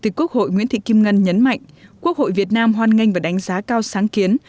chủ tịch quốc hội nguyễn thị kim ngân nhấn mạnh quốc hội việt nam hoan nghênh và đánh giá cao sáng kiến